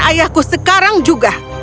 ayahku sekarang juga